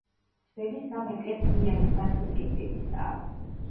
ძველი სამ ეკლესიიანი ბაზილიკის ტიპისაა.